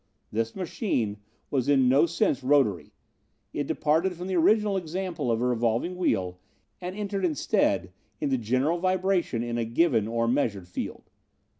This machine was in no sense rotary. It departed from the original example of a revolving wheel and entered instead into general vibration in a given or measured field.